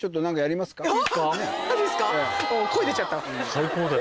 最高だよ。